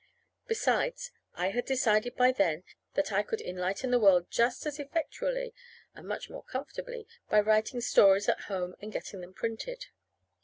Besides, I had decided by then that I could enlighten the world just as effectually (and much more comfortably) by writing stories at home and getting them printed.